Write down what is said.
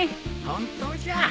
本当じゃ。